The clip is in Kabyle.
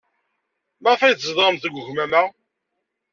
Maɣef ay tzedɣemt deg ugmam-a?